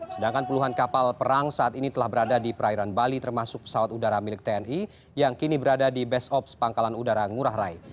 sedangkan puluhan kapal perang saat ini telah berada di perairan bali termasuk pesawat udara milik tni yang kini berada di base ops pangkalan udara ngurah rai